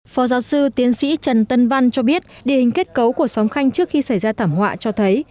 phó giáo sư tiến sĩ trần tân văn cho biết địa hình kết cấu của xóm khanh trước khi xảy ra thảm họa cho thấy